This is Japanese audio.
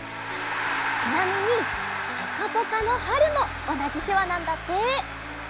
ちなみにぽかぽかのはるもおなじしゅわなんだって。